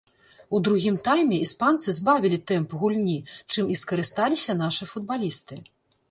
У другім тайме іспанцы збавілі тэмп гульні, чым і скарысталіся нашы футбалісты.